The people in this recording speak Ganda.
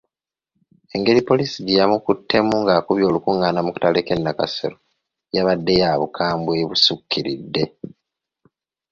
Engeri poliisi gye yamukuttemu ng’akubye olukungaana mu katale k’e Nakasero yabadde ya bukambwe obusukkiridde.